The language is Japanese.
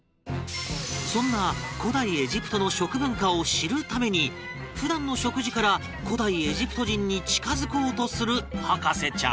そんな古代エジプトの食文化を知るために普段の食事から古代エジプト人に近付こうとする博士ちゃん